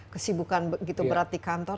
kesibukan begitu berat di kantor